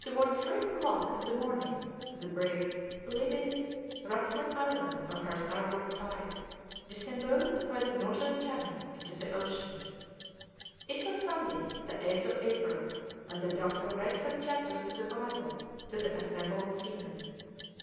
Towards three o'clock in the morning, the brig, leaving Rathlin Island on her starboard side, disembogued by the Northern Channel into the ocean. It was Sunday, the 8th of April, and the doctor read some chapters of the Bible to the assembled seamen.